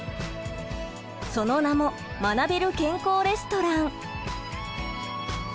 その名も「学べる健康レストラン」。